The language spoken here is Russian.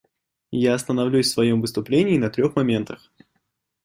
Я остановлюсь в своем выступлении на трех моментах.